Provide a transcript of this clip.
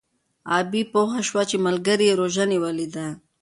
غابي پوه شو چې ملګری یې روژه نیولې ده.